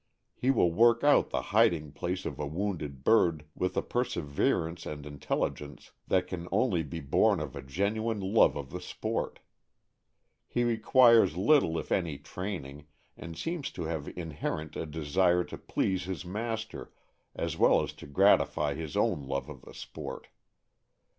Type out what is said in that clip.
He will work out the hiding place of a wounded bird with a perseverance and intelligence that can only be born of a genuine love of the sport. He requires little if any training, and seems to have inherent a desire to please his master as well as to gratify his own love of the sport.